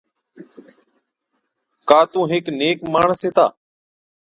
ڪا تُون هيڪ نيڪ ماڻس هِتا،